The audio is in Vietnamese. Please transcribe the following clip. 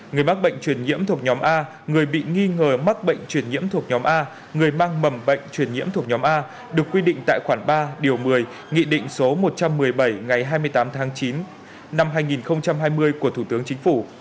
người mắc bệnh truyền nhiễm thuộc nhóm a người bị nghi ngờ mắc bệnh truyền nhiễm thuộc nhóm a người mang mầm bệnh truyền nhiễm thuộc nhóm a được quy định tại khoản ba điều một mươi nghị định số một trăm một mươi bảy ngày hai mươi tám tháng chín năm hai nghìn hai mươi của thủ tướng chính phủ